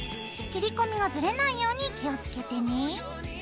切り込みがズレないように気をつけてね。